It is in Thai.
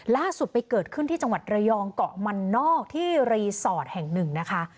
ล่าสุดไปเกิดขึ้นที่จังหวัดระยองเกาะมันนอกที่รีสอร์ทแห่งหนึ่งนะคะ